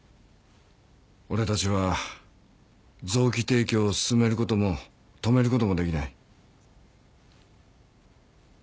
俺たちは臓器提供を勧めることも止めることもできない。